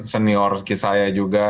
senior saya juga